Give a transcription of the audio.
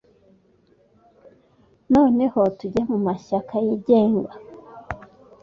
Noneho tujye mumashyaka yigenga